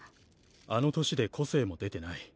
あの年で個性も出てない。